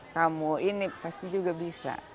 tamu ini pasti juga bisa